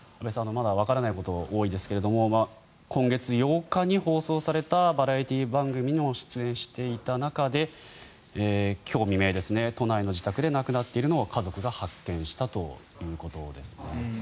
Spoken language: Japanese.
まだわからないことが多いですが今月８日に放送されたバラエティー番組にも出演していた中で今日未明、都内の自宅で亡くなっているのを家族が発見したということです。